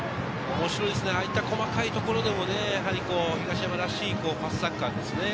ああいった細かいところでも、東山らしいパスサッカーですね。